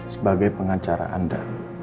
sebagai pengacara anda